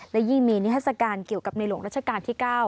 และยิ่งมีนิทัศกาลเกี่ยวกับในหลวงรัชกาลที่๙